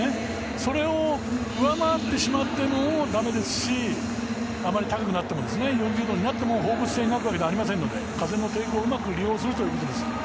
それを上回ってしまってもだめですしあまり高くなっても４０度になっても放物線を描くわけではありませんので風をうまく利用するということです。